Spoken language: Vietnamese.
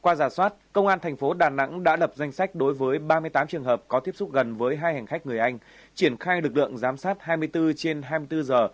qua giả soát công an thành phố đà nẵng đã lập danh sách đối với ba mươi tám trường hợp có tiếp xúc gần với hai hành khách người anh triển khai lực lượng giám sát hai mươi bốn trên hai mươi bốn giờ